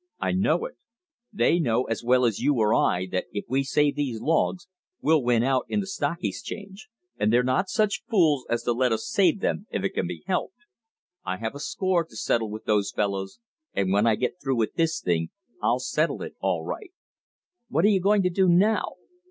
I know it. They know as well as you or I that if we save these logs, we'll win out in the stock exchange; and they're not such fools as to let us save them if it can be helped. I have a score to settle with those fellows; and when I get through with this thing I'll settle it all right." "What are you going to do now?"